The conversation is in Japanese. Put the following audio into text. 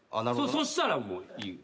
そしたらもういい。